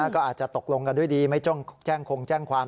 ก็อาจจะตกลงกันด้วยดีไม่ต้องแจ้งคงแจ้งความ